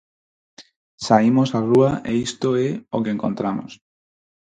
Saímos á rúa e isto é o que encontramos.